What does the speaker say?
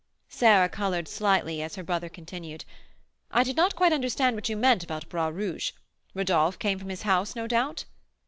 Sarah coloured slightly as her brother continued, "I did not quite understand what you meant about Bras Rouge. Rodolph came from his house, no doubt?"